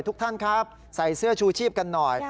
ทุกท่านครับใส่เสื้อชูชีพกันหน่อย